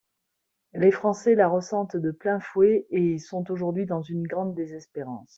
Les Français la ressentent de plein fouet et sont aujourd’hui dans une grande désespérance.